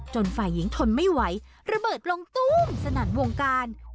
ฝ่ายหญิงทนไม่ไหวระเบิดลงตู้มสนั่นวงการ